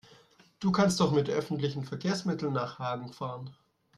Du kannst doch mit öffentlichen Verkehrsmitteln nach Hagen fahren